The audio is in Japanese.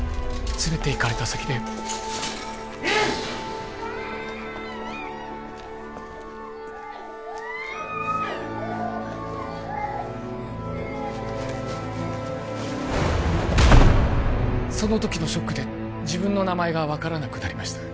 連れていかれた先でその時のショックで自分の名前が分からなくなりました